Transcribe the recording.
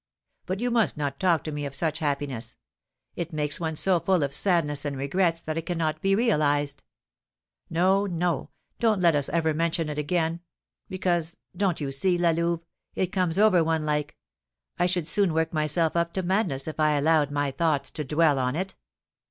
But you must not talk to me of such happiness; it makes one so full of sadness and regrets that it cannot be realised. No, no, don't let us ever mention it again; because, don't you see, La Louve, it comes over one like I should soon work myself up to madness if I allowed my thoughts to dwell on it."